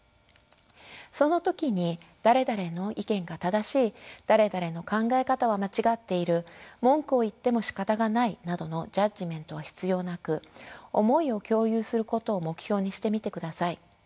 その時に誰々の意見が正しい誰々の考え方は間違っている文句を言ってもしかたがないなどのジャッジメントは必要なく思いを共有することを目標にしてみてください。